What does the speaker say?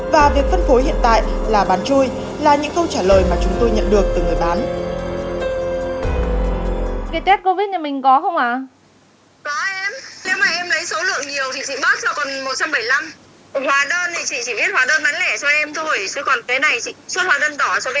và vì chủ yếu là bán hàng để trục lợi không quan tâm đến nguồn gốc cũng như chất lượng của sản phẩm